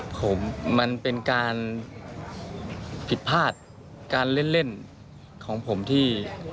ผมมันเป็นการผิดพลาดการเล่นของผมที่